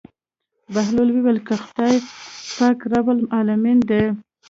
بهلول وويل که خداى پاک رب العلمين دى.